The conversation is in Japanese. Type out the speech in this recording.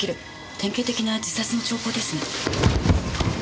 典型的な自殺の兆候ですね。